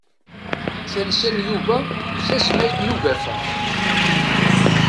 Tansa n Yuba d Tazmalt n ugafa.